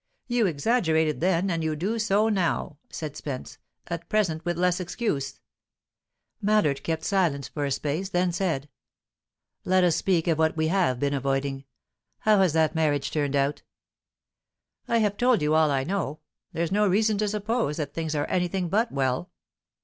"You exaggerated then, and you do so now," said Spence; "at present with less excuse." Mallard kept silence for a space; then said: "Let us speak of what we have been avoiding. How has that marriage turned out?" "I have told you all I know. There's no reason to suppose that things are anything but well."